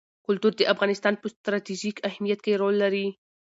کلتور د افغانستان په ستراتیژیک اهمیت کې رول لري.